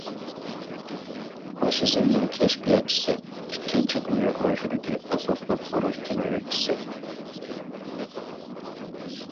فاشىزمنىڭ كەشپىياتچىسى، ئىككىنچى دۇنيا ئۇرۇشىدىكى ئاساسلىق ئۇرۇش جىنايەتچىسى.